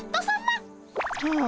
はあ。